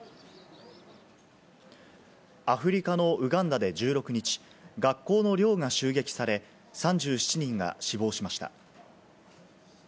アフリカのウガンダで１６日、学校の寮が襲撃され、３７人が死亡しました。